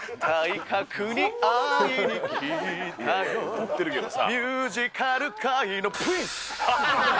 歌ってるけどさ。